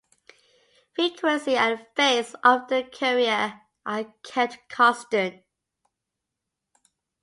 Frequency and phase of the carrier are kept constant.